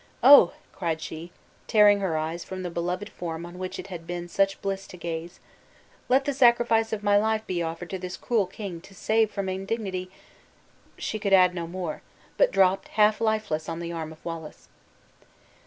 Oh!" cried she, tearing her eyes from the beloved form on which it had been such bliss to gaze, "let the sacrifice of my life be offered to this cruel king to save from indignity " She could add no more, but dropped half lifeless on the arm of Wallace.